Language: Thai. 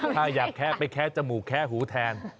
ถ้าอยากแคะไปแคะจมูกแคะหูแทน